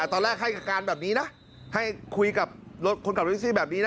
ตอนแรกให้กับการแบบนี้นะให้คุยกับคนขับแท็กซี่แบบนี้นะ